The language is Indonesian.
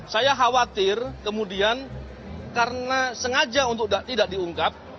saya khawatir kemudian karena sengaja untuk tidak diungkap